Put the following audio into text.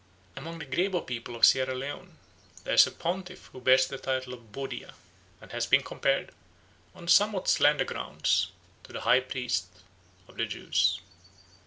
Among the Grebo people of Sierra Leone there is a pontiff who bears the title of Bodia and has been compared, on somewhat slender grounds, to the high priest of the Jews.